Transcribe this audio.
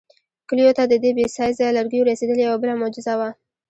کلیو ته د دې بې سایزه لرګیو رسېدل یوه بله معجزه وه.